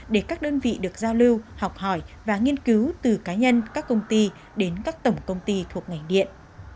để các đơn vị được giao lưu học hỏi và nghiên cứu từ cá nhân các công ty đến các tổng công ty thuộc ngành điện